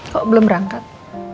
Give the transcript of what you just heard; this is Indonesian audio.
kok belum rangkat